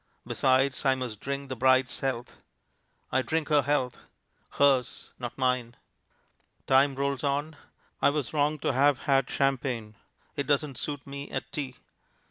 Besides, I must drink the bride's health. I drink her health; hers, not mine. Time rolls on. I was wrong to have had champagne. It doesn't suit me at tea.